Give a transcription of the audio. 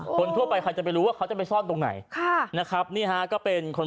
คนทั่วไปใครจะรู้ว่าเขาจะไปส้อดตรงไหนครับนี่คาะก็เป็นคน